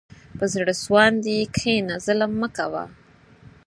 په زړه سواندي کښېنه، ظلم مه کوه.